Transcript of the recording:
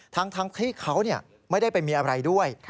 ทั้งที่เขาไม่ได้ไปมีอะไรด้วย